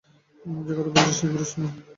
যে কথা বলছে, সে ফিরোজ নয়।